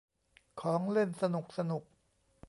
ของเล่นสนุกสนุก